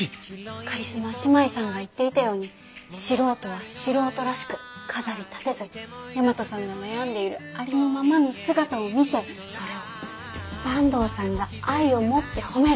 カリスマ姉妹さんが言っていたように素人は素人らしく飾りたてず大和さんが悩んでいるありのままの姿を見せそれを坂東さんが愛を持って褒める。